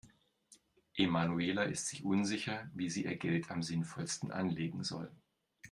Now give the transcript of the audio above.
Emanuela ist sich unsicher, wie sie ihr Geld am sinnvollsten anlegen soll.